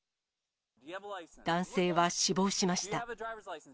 男性は死亡しました。